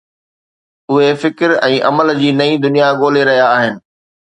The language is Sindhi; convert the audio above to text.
اهي فڪر ۽ عمل جي نئين دنيا ڳولي رهيا آهن.